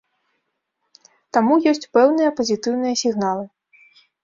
Таму ёсць пэўныя пазітыўныя сігналы.